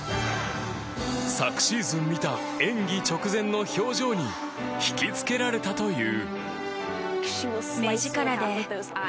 昨シーズン、見た演技直前の表情に引き付けられたという。